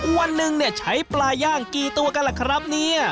วันนึงใช้ปลาย่างกี่ตัวกันล่ะครับ